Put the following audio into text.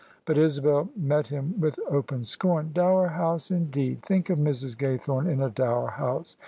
But Isabel met him with open scorn. " Dower House indeed! Think of Mrs. Gaythome in a Dower House!